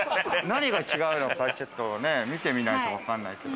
何が違うのかちょっと見てみないとわからないけど。